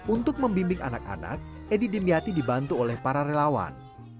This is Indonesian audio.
untuk membimbing anak anak edi dimyati dibantu oleh para relawan